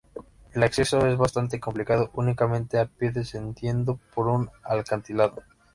El acceso es bastante complicado, únicamente a pie descendiendo por un acantilado.